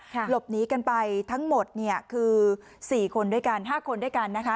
หลบหนีกันไปทั้งหมดเนี่ยคือ๔คนด้วยกัน๕คนด้วยกันนะคะ